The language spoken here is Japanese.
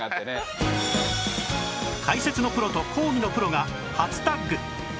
解説のプロと講義のプロが初タッグ！